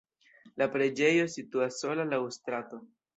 La preĝejo situas sola laŭ la strato.